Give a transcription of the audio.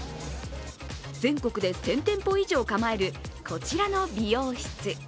全国で１０００店舗以上構えるこちらの美容室。